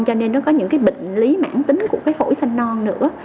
cho nên nó có những bệnh lý mãn tính của phổi sanh non nữa